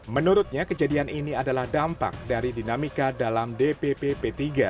menurutnya kejadian ini adalah dampak dari dinamika dalam dpp p tiga